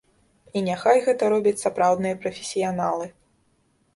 І няхай гэта робяць сапраўдныя прафесіяналы.